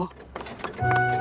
lalu aku akan mengepaknya untukmu